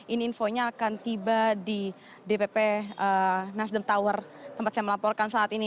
ini infonya akan tiba di dpp nasdem tower tempat saya melaporkan saat ini